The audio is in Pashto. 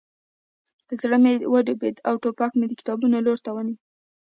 زړه مې وډبېده او ټوپک مې د کتابونو لور ته ونیو